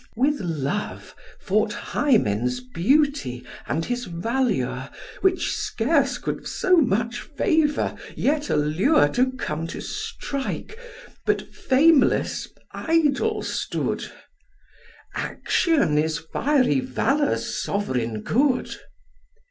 With Love fought Hymen's beauty and his valure, Which scarce could so much favour yet allure To come to strike, but fameless idle stood: Action is fiery valour's sovereign good.